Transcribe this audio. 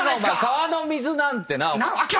川の水なんてな。